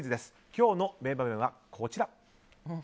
今日の名場面はこちら。